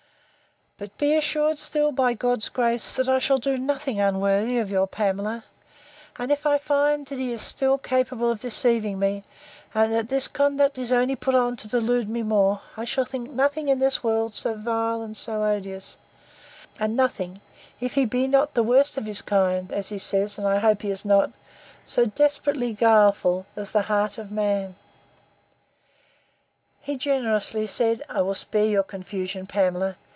But be assured still, by God's grace, that I shall do nothing unworthy of your Pamela; and if I find that he is still capable of deceiving me, and that this conduct is only put on to delude me more, I shall think nothing in this world so vile, and so odious; and nothing, if he be not the worst of his kind, (as he says, and, I hope, he is not,) so desperately guileful, as the heart of man. He generously said, I will spare your confusion, Pamela.